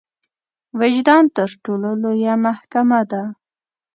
وجدان تر ټولو لويه محکمه ده.